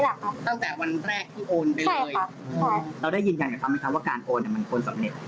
เราได้ยินอย่างไรครับมั้ยคะว่าการโอนมันควรสำเร็จ